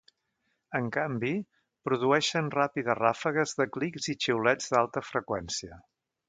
En canvi, produeixen ràpides ràfegues de clics i xiulets d'alta freqüència.